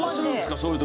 そういう時。